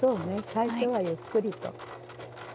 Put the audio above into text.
最初はゆっくりと。